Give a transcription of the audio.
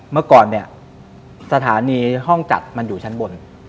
เมื่อก่อนเนี่ยสถานีห้องจัดมันอยู่ชั้นบน